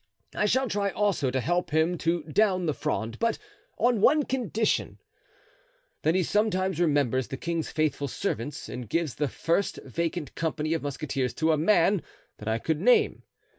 I shall try also to help him to down the Fronde, but on one condition—that he sometimes remembers the king's faithful servants and gives the first vacant company of musketeers to a man that I could name.